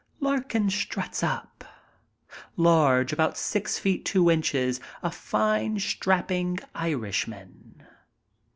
Larkin struts up. Large, about six feet two inches, a fine, strapping Irishman.